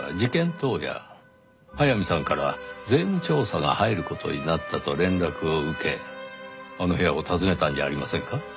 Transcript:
当夜速水さんから税務調査が入る事になったと連絡を受けあの部屋を訪ねたんじゃありませんか？